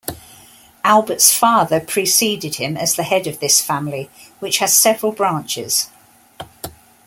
Albert's father preceded him as the head of this family, which has several branches.